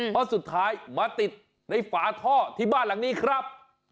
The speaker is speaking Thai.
เพราะสุดท้ายมาติดในฝาท่อที่บ้านหลังนี้ครับ